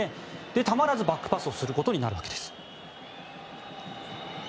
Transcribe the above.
たまらずバックパスをすることになるわけです。